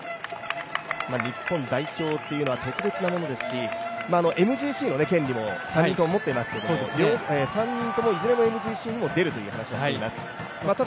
日本代表っていうのは、特別なものですし、ＭＧＣの権利も３人とも持っていますので３人とも、いずれもＭＧＣにも出るという話をしています。